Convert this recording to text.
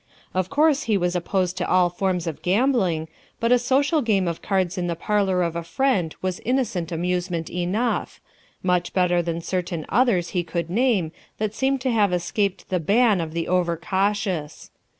Of course he was opposed to all forms of gambling, but a social game of cards in the parlor of a friend was innocent amusement enough — much better than certain others he could name that seemed to have escaped the ban of the over cautious.